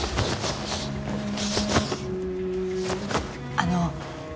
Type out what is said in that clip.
あの。